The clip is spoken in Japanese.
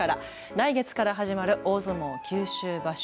来月から始まる大相撲九州場所。